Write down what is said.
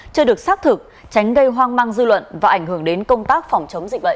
chưa được xác thực tránh gây hoang mang dư luận và ảnh hưởng đến công tác phòng chống dịch bệnh